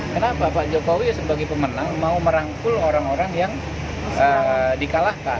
kenapa pak jokowi sebagai pemenang mau merangkul orang orang yang dikalahkan